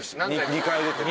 ２回出てて。